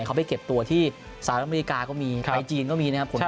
เขาไปเก็บตัวที่สหรับอเมริกาก็มีสามารยีจีนก็มี